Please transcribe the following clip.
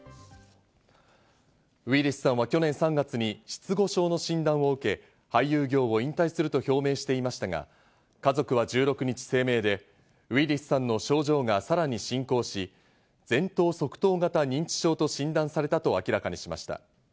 ウィリスさんは去年３月に失語症の診断を受け、俳優業を引退すると表明していましたが、家族は１６日、声明でウィリスさんの症状がさらに進行し、前頭側頭型認知症と診断されたと明らかにしました。